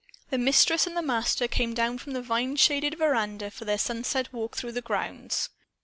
The Mistress and the Master came down from the vine shaded veranda for their sunset walk through the grounds.